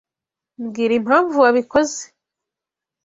Mbwira impamvu wabikoze?